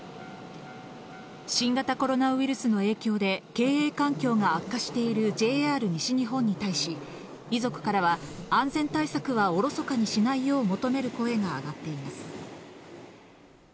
新型コロナウイルスの影響で、経営環境が悪化しているＪＲ西日本に対し、遺族からは、安全対策はおろそかにしないよう求める声が上がっています。